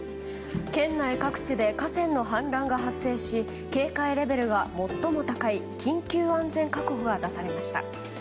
県内各地で河川の氾濫が発生し警戒レベルが最も高い緊急安全確保が出されました。